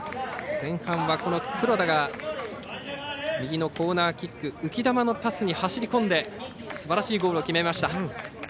前半は黒田が右のコーナーキック浮き球のパスに走りこんですばらしいゴールを決めました。